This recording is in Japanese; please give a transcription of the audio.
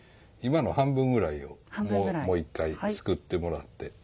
今の半分ぐらいをもう一回すくってもらって。